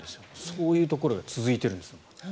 そういうところが続いているんです。